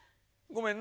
ごめん。